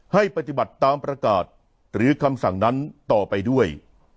ให้ปฏิบัติตามประกาศหรือคำสั่งนั้นต่อไปด้วย